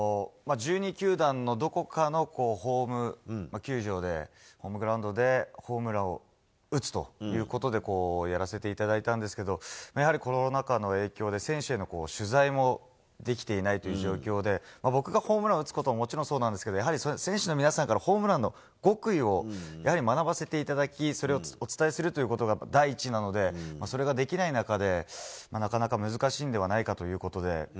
１２球団のどこかのホームグラウンドでホームランを打つということでやらせていただいたんですけどやはり、コロナ禍の影響で選手への取材もできていないという状況で僕がホームランを打つことももちろんそうなんですがやはり、選手の皆さんからホームランの極意を学ばせていただきそれをお伝えさせていただくということが第一なので、それができない中でなかなか難しいのではないかということで。